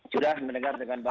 sudah mendengar dengan baik